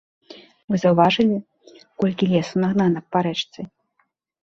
Вы заўважылі, колькі лесу нагнана па рэчцы?